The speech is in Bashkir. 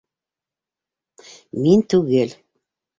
Мин түгел.